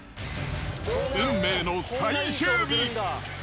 運命の最終日。